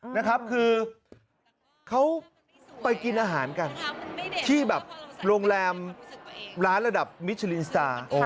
นะครับคือเขาไปกินอาหารกันที่แบบโรงแรมร้านระดับมิชลินสตาร์